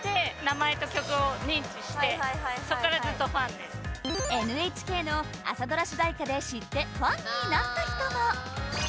歌詞みんながＮＨＫの朝ドラ主題歌で知ってファンになった人も！